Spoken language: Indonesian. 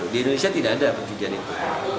di indonesia tidak ada perjudian itu